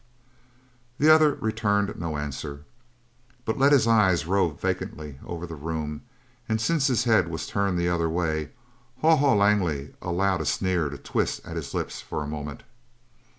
The other returned no answer, but let his eyes rove vacantly over the room, and since his head was turned the other way, Haw Haw Langley allowed a sneer to twist at his lips for a moment.